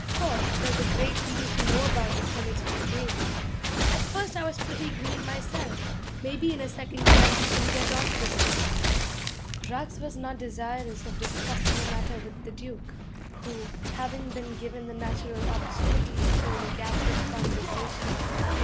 Course, there's a great deal to know about this military game. At first I was pretty green myself. May be in a second camp you can get onto the stuff.' Ruggs was not desirous of discussing the matter with the Duke, who, having been given the natural opportunity, filled the gap with conversation.